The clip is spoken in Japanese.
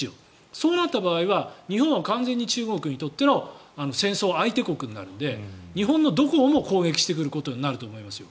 そうなった場合は日本は完全に中国にとっての戦争相手国になるので日本のどこをも攻撃してくるようになると思いますよ。